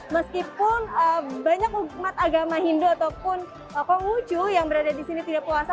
meskipun banyak umat agama hindu ataupun konghucu yang berada di sini tidak puasa